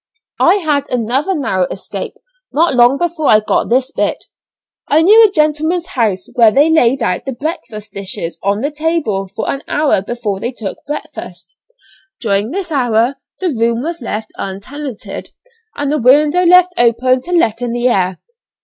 I had another narrow escape not long before I got this bit. I knew a gentleman's house where they laid out the breakfast dishes on the table for an hour before they took breakfast. During this hour the room was left untenanted, and the window left open to let in the air.